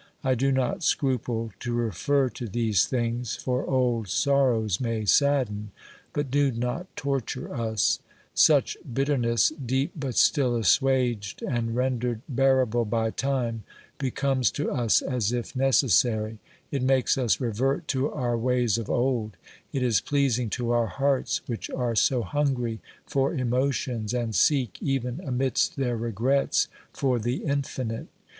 I do not scruple to refer to these things, for old sorrows may sadden but do not torture us ; such bitterness, deep but still assuaged and rendered bearable by time, becomes to us as if necessary ; it makes us revert to our ways of old ; it is pleasing to our hearts which are so hungry for emotions, and seek, even amidst their regrets, for the infinite.